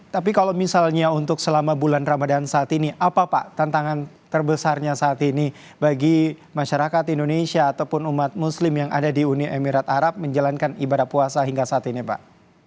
tapi kalau misalnya untuk selama bulan ramadan saat ini apa pak tantangan terbesarnya saat ini bagi masyarakat indonesia ataupun umat muslim yang ada di uni emirat arab menjalankan ibadah puasa hingga saat ini pak